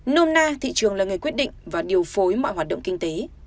nôm na thị trường là người quyết định và điều phối mọi hoạt động kinh tế